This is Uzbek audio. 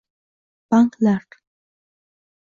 Banklar